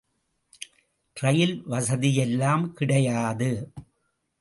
ரயில் வசதியெல்லாம் கிடையாது.